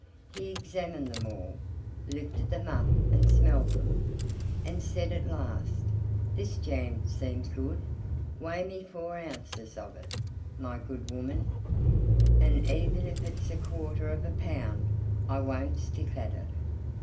He examined them all, lifted them up and smelled them, and said at last: "This jam seems good, weigh me four ounces of it, my good woman; and even if it's a quarter of a pound I won't stick at it."